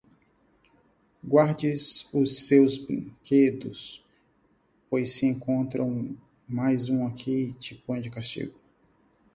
Guarde os seus brinquedos, pois se encontrar mais um aqui te ponho de castigo.